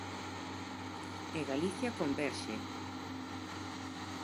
E Galicia converxe.